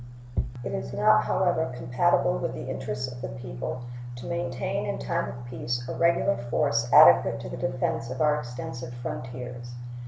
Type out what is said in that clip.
It is not, however, compatible with the interests of the people to maintain in time of peace a regular force adequate to the defense of our extensive frontiers.